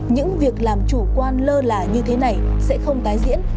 những việc làm chủ quan lơ là như thế này sẽ không tái diễn